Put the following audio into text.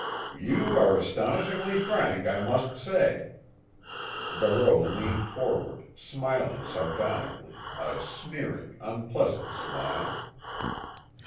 "You are astonishingly frank, I must say." Barreau leaned forward, smiling sardonically, a sneering, unpleasant smile.